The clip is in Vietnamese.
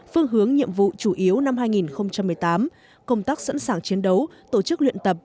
phương hướng nhiệm vụ chủ yếu năm hai nghìn một mươi tám công tác sẵn sàng chiến đấu tổ chức luyện tập